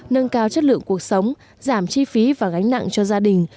nâng cao chất lượng cuộc sống giảm chi phí và gánh nặng cho gia đình